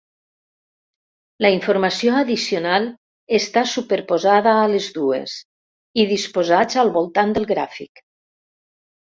La informació addicional està superposada a les dues i disposats al voltant del gràfic.